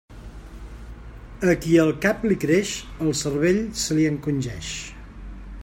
A qui el cap li creix, el cervell se li encongeix.